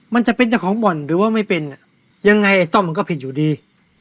มันจะเป็นเจ้าของบ่อนหรือว่าไม่เป็นอ่ะยังไงไอ้ต้อมมันก็ผิดอยู่ดี